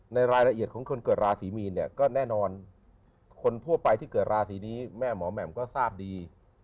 ในรายละเอียดของคนเกิดราศีมีนเนี่ยก็แน่นอนคนทั่วไปที่เกิดราศีนี้แม่หมอแหม่มก็ทราบดี